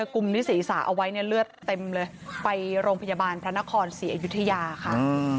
กลุ่มที่ศีรษะเอาไว้เนี่ยเลือดเต็มเลยไปโรงพยาบาลพระนครศรีอยุธยาค่ะ